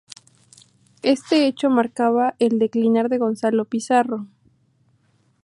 Este hecho marcaba el declinar de Gonzalo Pizarro.